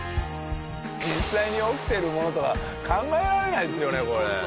実際に起きてるものとは考えられないですよねこれ。